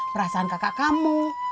perasaan kakak kamu